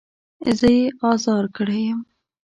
زه يې ازار کړی يم.